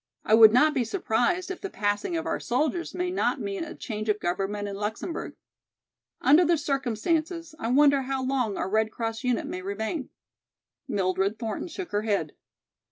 I would not be surprised if the passing of our soldiers may not mean a change of government in Luxemburg. Under the circumstances I wonder how long our Red Cross unit may remain?" Mildred Thornton shook her head.